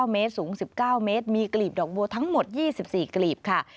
เมตรสูง๑๙เมตรมีกลีบดอกบัวทั้งหมด๒๔กลีบค่ะ